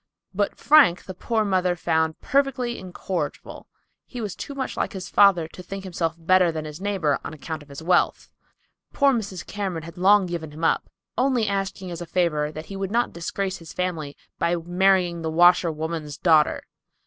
But Frank the poor mother found perfectly incorrigible. He was too much like his father to think himself better than his neighbor on account of his wealth. Poor Mrs. Cameron had long given him up, only asking as a favor that he would not disgrace his family by marrying the washerwoman's daughter.